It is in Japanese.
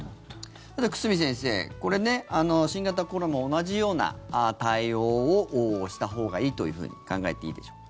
久住先生、これね新型コロナも同じような対応をしたほうがいいと考えていいでしょうか？